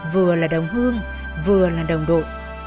vừa là đồng hương vừa là đồng độ